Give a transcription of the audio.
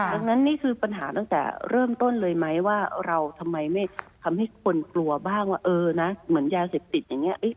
ดังนั้นนี่คือปัญหาตั้งแต่เริ่มต้นเลยไหมว่าเราทำไมไม่ทำให้คนกลัวบ้างว่าเออนะเหมือนยาเสพติดอย่างนี้